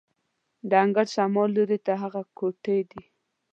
د انګړ شمال لوري ته هغه کوټې دي.